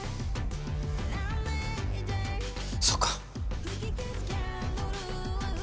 そうか。